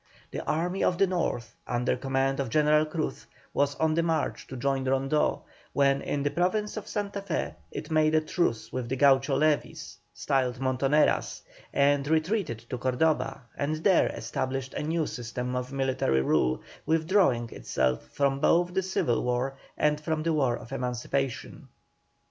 The Army of the North, under command of General Cruz, was on the march to join Rondeau, when in the Province of Santa Fé it made a truce with the Gaucho levies, styled "montoneras," and retreated to Cordoba, and there established a new system of military rule, withdrawing itself both from the civil war and from the war of emancipation.